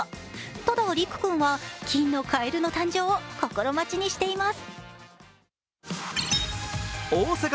ただ、陸君は金のカエルの誕生を心待ちにしています。